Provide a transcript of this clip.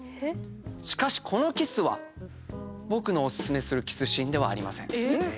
しかしこのキスは僕のお薦めするキスシーンではありません。